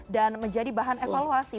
dan menjadi bahan evaluasi